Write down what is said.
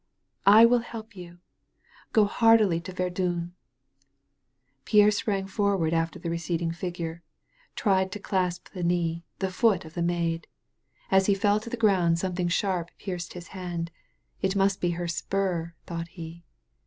I will help you. Go hardily to Verdun." Pierre sprang forward after the receding figure, tried to clasp the knee, the foot of the Maid. As ISO THE MAID OF FRANCE he fell to the ground something sharp pierced his hand. It must be her spur, thought he.